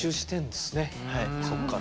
そっから。